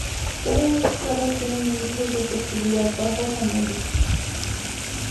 Todos estos suelos tienen índices de fertilidad bajos a medios.